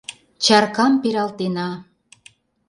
Чаркам пералтена